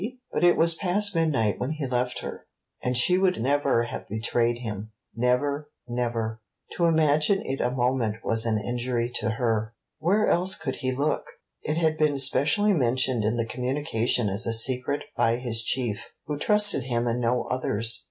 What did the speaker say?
She? But it was past midnight when he left her. And she would never have betrayed him, never, never. To imagine it a moment was an injury to her. Where else could he look? It had been specially mentioned in the communication as a secret by his Chief, who trusted him and no others.